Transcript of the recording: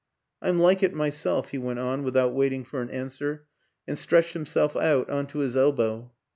" I'm like it myself," he went on without wait ing for an answer, and stretched himself out on to his elbow.